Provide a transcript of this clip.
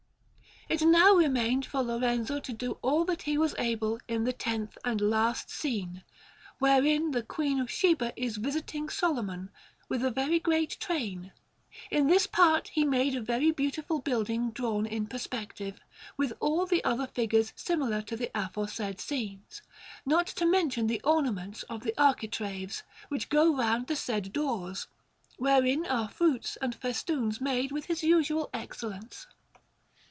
It now remained for Lorenzo to do all that he was able in the tenth and last scene, wherein the Queen of Sheba is visiting Solomon, with a very great train; in this part he made a very beautiful building drawn in perspective, with all the other figures similar to the aforesaid scenes; not to mention the ornaments of the architraves, which go round the said doors, wherein are fruits and festoons made with his usual excellence.